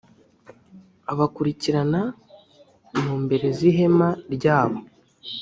abakurikirana mu mbere z’ihema ryabo.